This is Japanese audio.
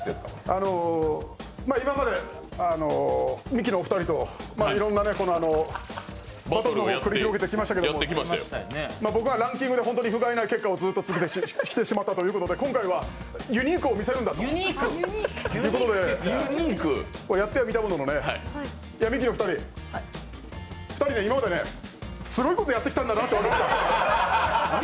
あの、今までミキのお二人といろいろなバトルを繰り広げてきましたけど僕はランキングでふがいない結果をずっと続けてきたということで、今回はユニークを見せるんだとやってはみたもののミキの２人、２人が今まですごいことやってきたんだなって思った！